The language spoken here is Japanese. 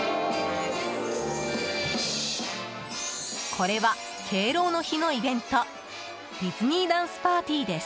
これは敬老の日のイベントディズニーダンスパーティーです。